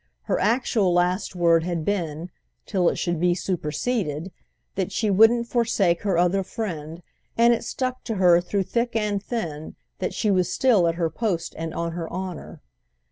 Her actual last word had been, till it should be superseded, that she wouldn't forsake her other friend, and it stuck to her through thick and thin that she was still at her post and on her honour.